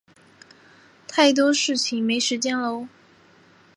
太多的事情没时间搂